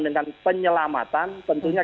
dengan penyelamatan tentunya